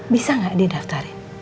bisa gak di daftarin